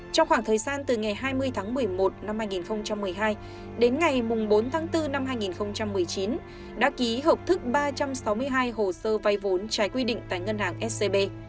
trong khoảng thời gian từ ngày hai mươi năm tháng bảy năm hai nghìn một mươi hai đến ngày ba mươi tháng bảy năm hai nghìn một mươi ba đã ký hợp thức bảy mươi chín hồ sơ vay vốn trái quy định tại ngân hàng scb